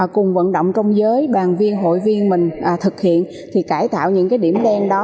cùng vận động trong giới đoàn viên hội viên mình thực hiện thì cải tạo những cái điểm đen đó